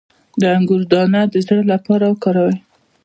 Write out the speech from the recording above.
د انګور دانه د زړه لپاره وکاروئ